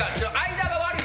間が悪い。